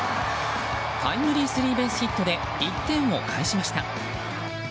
タイムリースリーベースヒットで１点を返しました。